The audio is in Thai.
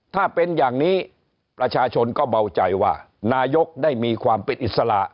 ถ้าเป็นอย่างนี้ประชาชนก็เบาใจว่านายกได้มีความเป็นอิสระ